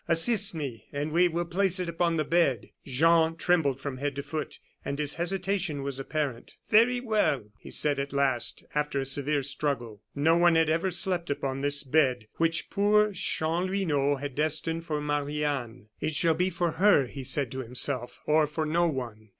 Assist me, and we will place it upon the bed." Jean trembled from head to foot, and his hesitation was apparent. "Very well!" he said, at last, after a severe struggle. No one had ever slept upon this bed which poor Chanlouineau had destined for Marie Anne. "It shall be for her," he said to himself, "or for no one."